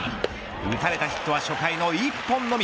打たれたヒットは初回の１本のみ。